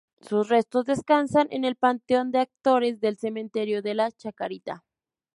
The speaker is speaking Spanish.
Sus restos descansan en el Panteón de actores del cementerio de la Chacarita.